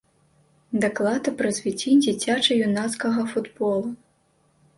Даклад аб развіцці дзіцяча-юнацкага футбола.